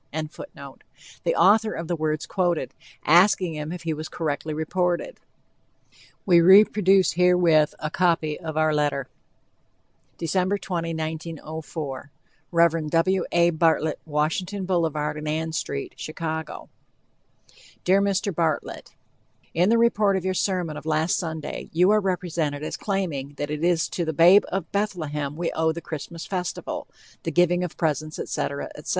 ] the author of the words quoted, asking him if he was correctly reported. We reproduce herewith a copy of our letter: DEC, 20, 1904. Rev. W. A. Bartlett, Washington Boul. and Ann St., Chicago DEAR MR. BARTLETT: In the report of your sermon of last Sunday you are represented as claiming that it is to the "babe in Bethlehem" we owe the Christmas festival, the giving of presents, etc., etc.